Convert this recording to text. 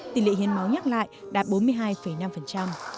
tỷ lệ hiến máu nhắc lại đạt bốn mươi hai năm